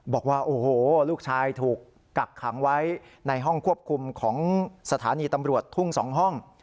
บอกว่าโอ้โหลูกชายถูกกักขังไว้ในห้องควบคุมของสถานีตำรวจทุ่ง๒ห้อง